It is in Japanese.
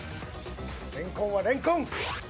レンコンはレンコン！